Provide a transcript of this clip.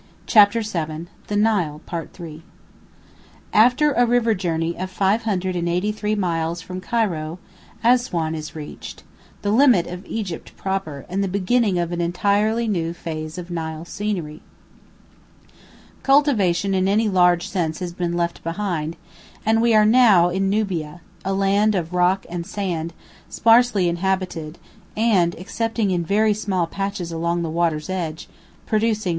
CHAPTER VII THE NILE III After a river journey of 583 miles from Cairo, Assuan is reached limit of Egypt proper and the beginning of an entirely new phase of Nile scenery. Cultivation in any large sense has been left behind, and we are now in Nubia, a land of rock and sand, sparsely inhabited, and, excepting in very small patches along the water's edge, producing no crops.